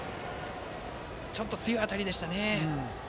ちょっと強い当たりでしたね。